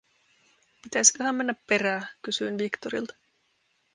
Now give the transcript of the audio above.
"Pitäisköhä mennä perää?", kysyin Victorilta.